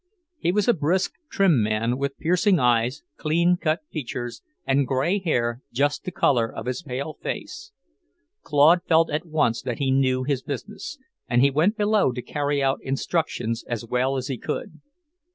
He was a brisk, trim man, with piercing eyes, clean cut features, and grey hair just the colour of his pale face. Claude felt at once that he knew his business, and he went below to carry out instructions as well as he could.